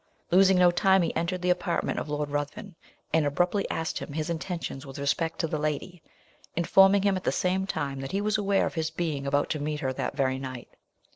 Losing no time, he entered the apartment of Lord Ruthven, and abruptly asked him his intentions with respect to the lady, informing him at the same time that he was aware of his being about to meet her that very night.